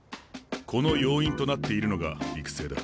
この要因となっているのが育成だ。